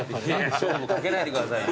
勝負かけないでくださいよ。